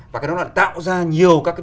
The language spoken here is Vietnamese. và cái đó là tạo ra nhiều các cái